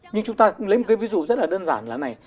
nhưng chúng ta cũng lấy một cái ví dụ rất là đơn giản là này